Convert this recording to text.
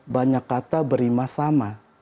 banyak kata berima sama